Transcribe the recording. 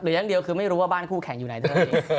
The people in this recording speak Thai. หรือยังเดียวคือไม่รู้ว่าบ้านผู้แข่งอยู่ไหนเถอะ